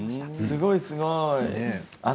すごいすごい。